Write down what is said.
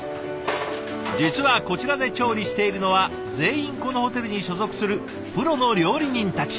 実はこちらで調理しているのは全員このホテルに所属するプロの料理人たち。